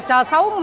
chờ sáu năm mươi